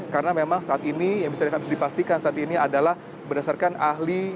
karena memang saat ini yang bisa dipastikan saat ini adalah berdasarkan ahli